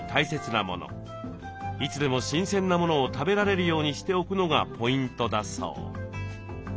いつでも新鮮なものを食べられるようにしておくのがポイントだそう。